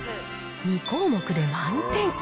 ２項目で満点。